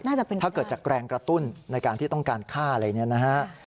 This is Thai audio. ถ้าเกิดจะแกร่งกระตุ้นในการที่ต้องการค่าอะไรอย่างนี้